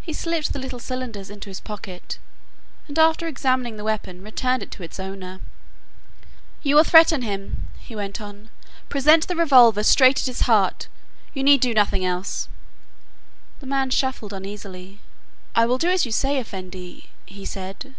He slipped the little cylinders into his pocket, and after examining the weapon returned it to its owner. "You will threaten him," he went on. "Present the revolver straight at his heart. You need do nothing else." The man shuffled uneasily. "I will do as you say, Effendi," he said.